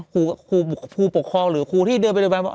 ครูปกครองหรือครูที่เดินไปเดินไปบอก